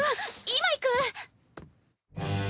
今行く。